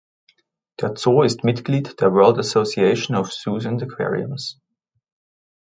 Der Zoo ist Mitglied der World Association of Zoos and Aquariums.